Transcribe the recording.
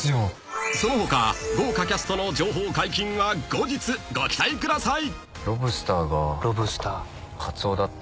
［その他豪華キャストの情報解禁は後日ご期待ください！］